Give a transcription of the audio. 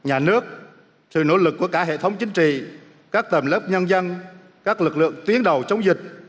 trước sự nỗ lực của cả hệ thống chính trị các tầm lớp nhân dân các lực lượng tiến đầu chống dịch